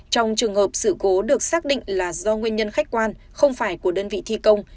trong trường hợp sự cố được xác định là do nguyên nhân khách quan không phải của đơn vị thi công